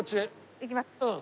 いきます。